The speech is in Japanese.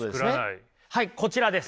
はいこちらです。